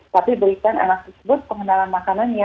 tapi berikan anak tersebut pengenalan makanannya